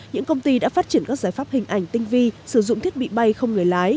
những công ty đã phát triển các giải pháp hình ảnh tinh vi sử dụng thiết bị bay không người lái